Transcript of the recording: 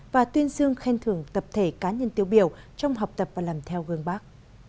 và tuyên dương khen thưởng tập thể cá nhân tiêu biểu trong học tập và làm theo gương bác